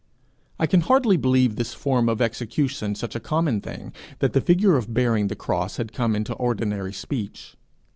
I can hardly believe this form of execution such a common thing that the figure of bearing the cross had come into ordinary speech.